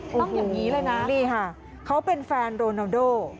อย่างนี้เลยนะนี่ค่ะเขาเป็นแฟนโรนาโด